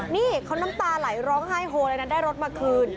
นี่เขาน้ำตาไหลร้องไห้โฮเลยนะได้รถมาคืน